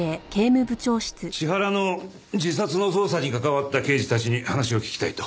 千原の自殺の捜査に関わった刑事たちに話を聞きたいと？